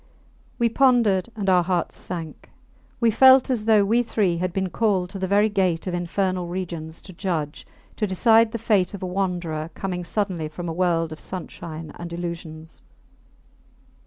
We pondered, and our hearts sank. We felt as though we three had been called to the very gate of Infernal Regions to judge, to decide the fate of a wanderer coming suddenly from a world of sunshine and illusions.